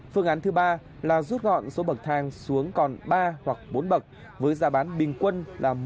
phương án thứ ba là rút gọn số bậc thang xuống còn ba hoặc bốn bậc với giá bán bình quân là một bảy trăm bốn mươi bảy đồng một kwh